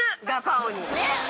ガパオに。